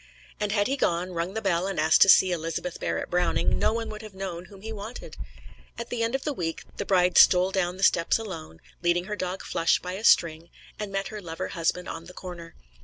And had he gone, rung the bell and asked to see Elizabeth Barrett Browning, no one would have known whom he wanted. At the end of the week, the bride stole down the steps alone, leading her dog Flush by a string, and met her lover husband on the corner.